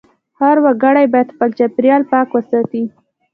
هر وګړی باید خپل چاپېریال پاک وساتي.